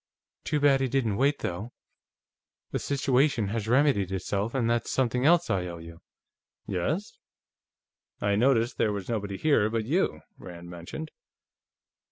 Too bad he didn't wait, though. The situation has remedied itself, and that's something else I owe you." "Yes? I noticed that there was nobody here but you," Rand mentioned.